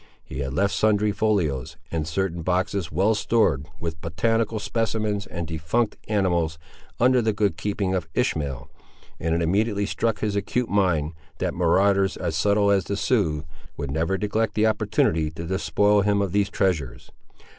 He had left sundry folios, and certain boxes well stored with botanical specimens and defunct animals, under the good keeping of Ishmael, and it immediately struck his acute mind, that marauders as subtle as the Siouxes would never neglect the opportunity to despoil him of these treasures.